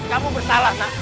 kamu bersalah nak